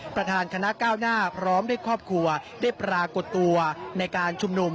ประธานคณะก้าวหน้าพร้อมด้วยครอบครัวได้ปรากฏตัวในการชุมนุม